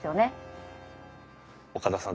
岡田さん